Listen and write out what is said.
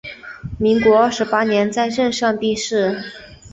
民国二十八年在任上病逝。